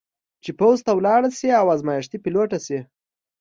چې پوځ ته ولاړه شي او ازمېښتي پیلوټه شي.